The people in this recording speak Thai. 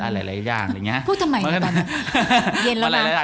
พูดใหม่เลยตอนนี้เย็นแล้วนะ